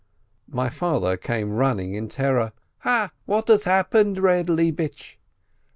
My father came running in terror. "Ha, what has happened, Eeb Lebish